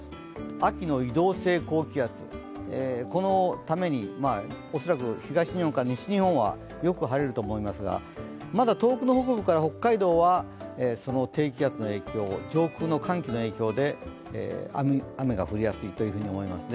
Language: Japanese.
秋の移動性高気圧、このために恐らく東日本から西日本はよく晴れると思いますが、まだ東北の北部から北海道は上空の寒気の影響で雨が降りやすいと思います。